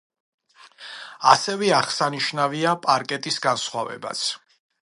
ასევე აღსანიშნავია პარკეტის განსხვავებაც.